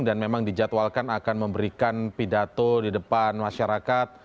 dan memang dijadwalkan akan memberikan pidato di depan masyarakat